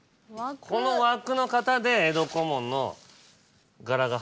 この枠の型で江戸小紋の柄が入っていく。